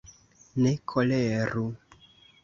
Ne koleru!